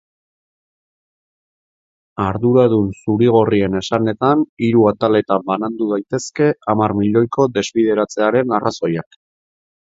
Arduradun zurigorrien esanetan hiru ataletan banandu daitezke hamar milioiko desbideratzearen arrazoiak.